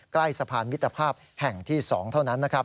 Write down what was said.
ใกล้สะพานมิตรภาพแห่งที่๒เท่านั้นนะครับ